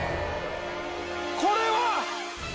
これは。